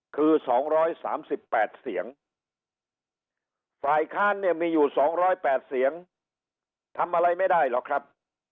คือ๒๓๘เสียงฝ่ายค้านเนี่ยมีอยู่๒๐๘เสียงทำอะไรไม่ได้หรอกครับ